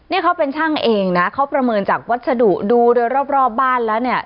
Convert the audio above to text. นี่เขาเป็นช่างเองนะเขาประเมินจากวัสดุดูโดยรอบบ้านแล้วเนี่ย